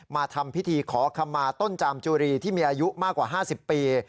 มาทำพิธีขอคำมาต้นจามจุรีที่มีอายุมากกว่า๕๐ปี